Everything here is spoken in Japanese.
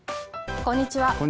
こんにちは。